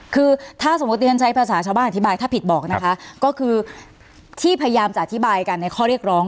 คือถ้าสมมุติเรียนใช้ภาษาชาวบ้านอธิบายถ้าผิดบอกนะคะก็คือที่พยายามจะอธิบายกันในข้อเรียกร้อง